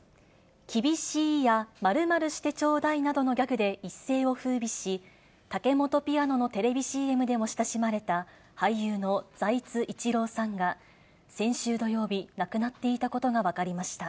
キビシーッ！や、○○してチョーダイ！などのギャグで一世をふうびし、タケモトピアノのテレビＣＭでも親しまれた、俳優の財津一郎さんが、先週土曜日、亡くなっていたことが分かりました。